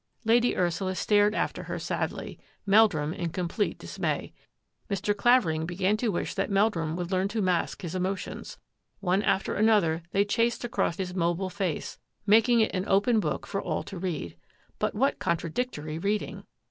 Lady Ursula stared after her sadly, Meldrum in complete dismay. Mr. Clavering began to wish that Meldrum would learn to mask his emotions. One after another they chased across his mobile face, making it an open book for all to read. But what contradictory reading